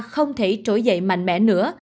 không thể trổi dậy mạnh mẽ nữa